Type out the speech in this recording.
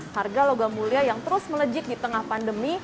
harga logam mulia yang terus melejik di tengah pandemi